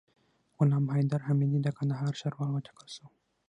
غلام حیدر حمیدي د کندهار ښاروال وټاکل سو